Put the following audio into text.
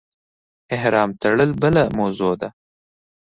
احرام تړل بله موضوع ده.